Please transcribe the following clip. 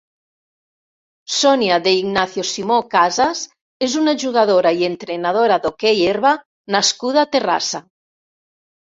Sònia de Ignacio-Simó Casas és una jugadora i entrenadora d'hoquei herba nascuda a Terrassa.